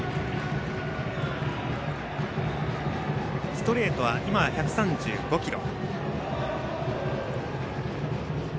ストレートは今は１３５キロ。